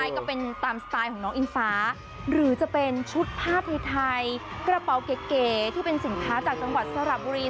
ใช่ก็เป็นตามสไตล์ของน้องอิงฟ้าหรือจะเป็นชุดผ้าไทยกระเป๋าเก๋ที่เป็นสินค้าจากจังหวัดสระบุรี